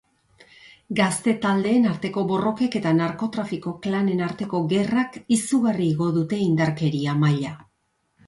Gazte-taldeen arteko borrokek eta narkotrafiko klanen arteko gerrak izugarri igo dute indarkeria maila.